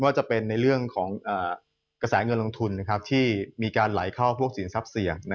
จะเป็นในเรื่องของกระแสเงินลงทุนที่มีการไหลเข้าพวกสินทรัพย์เสี่ยง